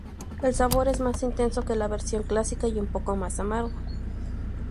El sabor es más intenso que la versión clásica, y un poco más amargo.